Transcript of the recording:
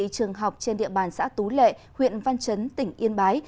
các đơn vị trường học trên địa bàn xã tú lệ huyện văn chấn tỉnh yên bái